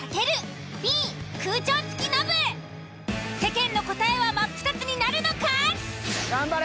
世間の答えはマップタツになるのか？